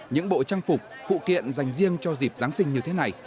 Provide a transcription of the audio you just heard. những bộ trang phục phụ kiện dành riêng cho dịp giáng sinh như thế này